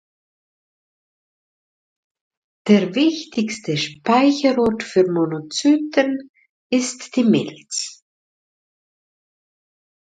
Der wichtigste Speicherort für Monozyten ist die Milz.